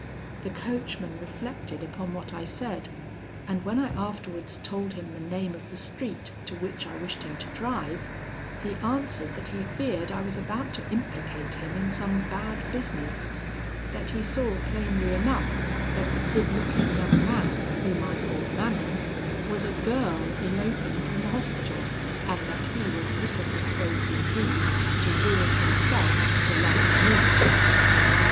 The coachman reflected upon what I said, and when I afterwards told him the name of the street to which I wished him to drive, he answered that he feared I was about to implicate him in some bad business; that he saw plainly enough that the good looking young man whom I called Manon was a girl eloping from the Hospital, and that he was little disposed indeed to ruin himself for love of me.